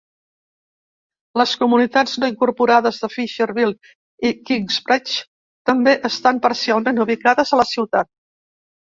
Les comunitats no incorporades de Fisherville i Kingsbridge també estan parcialment ubicades a la ciutat.